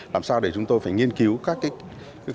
làm sao để chúng tôi phải nghiên cứu các cái